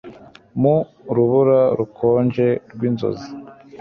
Mu rubura rukonje rwinzozi